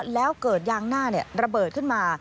แล้วเกิดยางหน้าระเบิดขึ้นมา